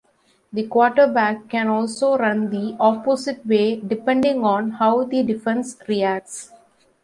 The quarterback can also run the opposite way depending on how the defense reacts.